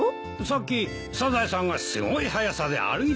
さっきサザエさんがすごい速さで歩いてたんですよ。